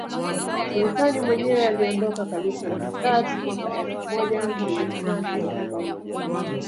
Sultani mwenyewe aliondoka kabisa Maskat mwaka elfu moja mia nane arobaini